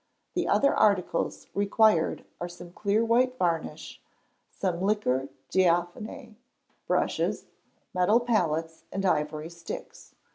The other articles required are some clear white varnish, some liqueur diaphane, brushes, metal palettes, and ivory sticks.